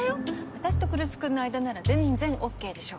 私と来栖君の間なら全然ＯＫでしょ。